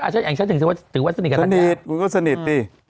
ฉันถือว่าสนิกกับคุณทัญญาละคุณก็สนิทดิ